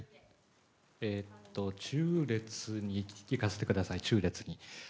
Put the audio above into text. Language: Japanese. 中列にいかせてください、中列に。